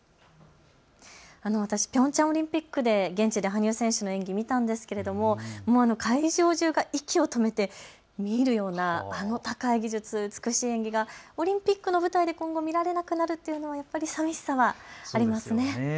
私、ピョンチャンオリンピックで現地で羽生選手の演技を見たんですけれども会場中が息を止めて見入るようなあの高い技術、美しい演技がオリンピックの舞台で今後、見られなくなるというのはやっぱり寂しさはありますね。